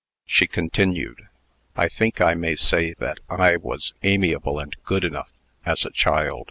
She continued: "I think I may say that I was amiable and good enough, as a child.